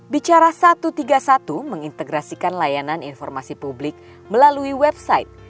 bicara satu ratus tiga puluh satu mengintegrasikan layanan informasi publik melalui website